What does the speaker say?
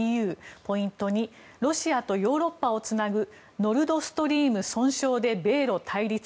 ポイント２ロシアとヨーロッパをつなぐノルドストリーム損傷で米ロ対立。